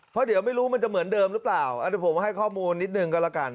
เพราะเดี๋ยวไม่รู้มันจะเหมือนเดิมหรือเปล่าอันนี้ผมให้ข้อมูลนิดนึงก็แล้วกัน